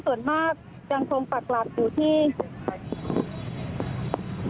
เพราะตอนนี้ก็ไม่มีเวลาให้เข้าไปที่นี่